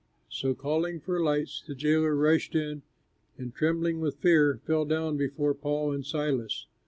So calling for lights, the jailer rushed in, and trembling with fear, fell down before Paul and Silas.